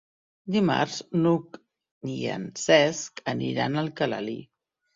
Dimarts n'Hug i en Cesc aniran a Alcalalí.